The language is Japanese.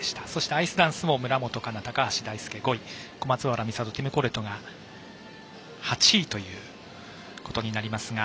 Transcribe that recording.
アイスダンスも村元哉中、高橋大輔が５位小松原美里、ティム・コレトが８位ということになりますが。